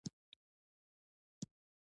د کارکوونکو مسلکي چلند د بانک پرمختګ ښيي.